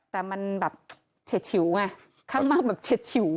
แต่มันแบบเฉียดฉิวไงข้างมากแบบเฉียดฉิว